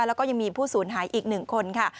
แล้วก็ยังมีผู้สูญหายอีก๑คนค่ะ